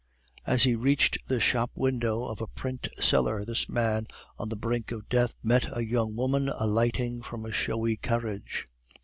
As he reached the shop window of a print seller, this man on the brink of death met a young woman alighting from a showy carriage.